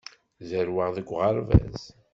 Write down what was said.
Zerrweɣ deg uɣerbaz.